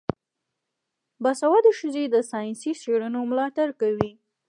باسواده ښځې د ساینسي څیړنو ملاتړ کوي.